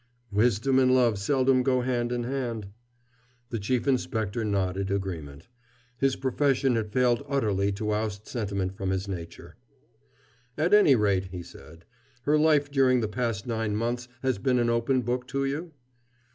"Wisdom and love seldom go hand in hand." The Chief Inspector nodded agreement. His profession had failed utterly to oust sentiment from his nature. "At any rate," he said, "her life during the past nine months has been an open book to you?"